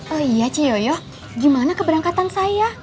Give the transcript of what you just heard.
oh iya cio cio gimana keberangkatan saya